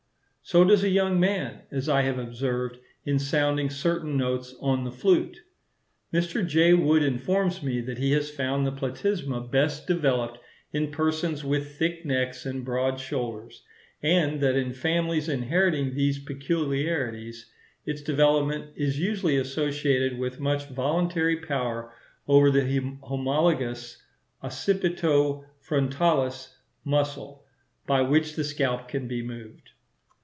So does a young man, as I have observed, in sounding certain notes on the flute. Mr. J. Wood informs me that he has found the platysma best developed in persons with thick necks and broad shoulders; and that in families inheriting these peculiarities, its development is usually associated with much voluntary power over the homologous occipito frontalis muscle, by which the scalp can be moved.